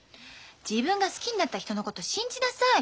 自分が好きになった人のこと信じなさい。